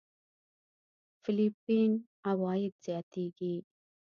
فېليپين عوايد زياتېږي.